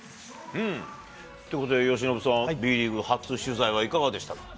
ということで、由伸さん、Ｂリーグ初取材はいかがでしたか？